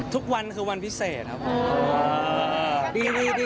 ทุกวันคือวันพิเศษครับผม